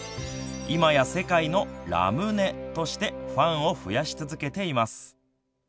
今や世界のＲＡＭＵＮＥとしてファンを増やし続けています。